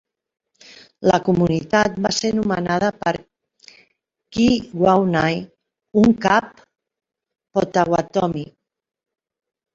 La comunitat va ser nomenada per Kee-WAU-nay, un cap Potawatomi.